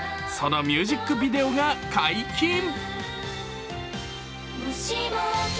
そのミュージックビデオが解禁！